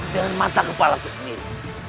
dengan mata kepala ku sendiri